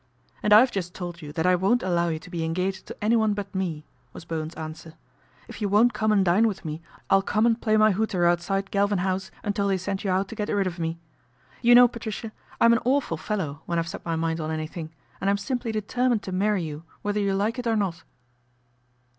"And I've just told you that I won't allow you to be engaged to anyone but me," was Bowen's answer. " If you won't come and dine with me I'll come and play my hooter outside Galvin House until they send you out to get rid of me. You know, Patricia, I'm an awful fellow when I've set my mind on anything, and I'm simply deter mined to marry you whether you like it or not."